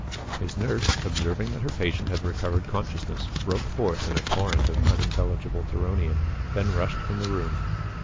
His nurse, observing that her patient had recovered consciousness, broke forth in a torrent of unintelligible Theronian, then rushed from the room.